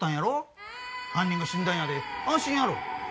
犯人が死んだんやで安心やろ。